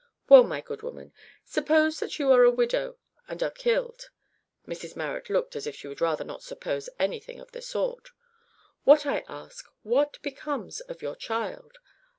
"Well, my good woman, suppose that you are a widow and are killed," (Mrs Marrot looked as if she would rather not suppose anything of the sort), "what I ask, what becomes of your child?